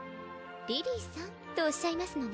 リリィーさんとおっしゃいますのね